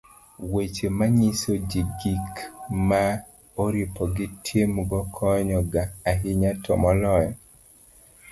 weche manyiso ji gik ma oripo timgo konyo ga ahinya to moloyo